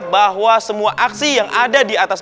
bahwa semua aksi yang ada di atas